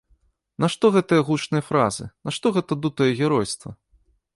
Нашто гэтыя гучныя фразы, нашто гэтае дутае геройства?